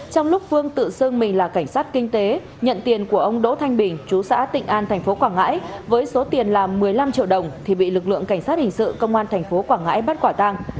trong lúc phương tự xưng mình là cảnh sát kinh tế nhận tiền của ông đỗ thanh bình chú xã tịnh an tp quảng ngãi với số tiền là một mươi năm triệu đồng thì bị lực lượng cảnh sát hình sự công an tp quảng ngãi bắt quả tang